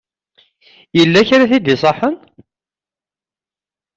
Yella kra i t-id-iṣaḥen?